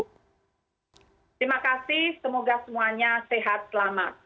terima kasih semoga semuanya sehat selamat